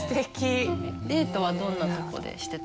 デートはどんなとこでしてたんですか？